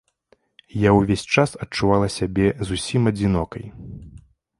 Я ўвесь час адчувала сябе зусім адзінокай.